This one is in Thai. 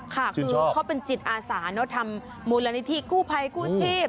คือเขาเป็นจิตอาสารเนอะทำมูลณิธิผู้ไพฯผู้ชีพ